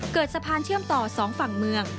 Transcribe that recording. เกิดสะพานเชื่อมต่อสองฝั่งเมือง